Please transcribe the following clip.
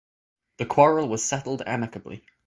The quarrel was settled amicably.